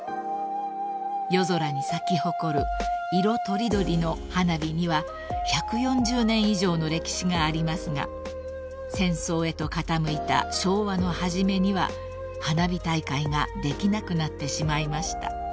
［夜空に咲き誇る色取り取りの花火には１４０年以上の歴史がありますが戦争へと傾いた昭和の初めには花火大会ができなくなってしまいました］